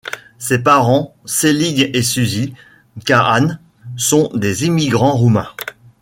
Ses parents, Selig et Susy Kahane, sont des immigrants roumains.